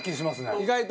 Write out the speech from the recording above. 意外と？